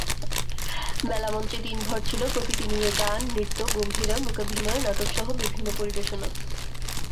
মেলামঞ্চে দিনভর ছিল প্রকৃতি নিয়ে গান, নৃত্য, গম্ভীরা, মূকাভিনয়, নাটকসহ বিভিন্ন পরিবেশনা।